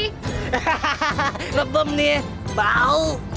hahaha ngebom nih ya bau